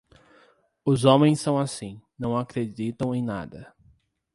Os homens são assim; não acreditam em nada.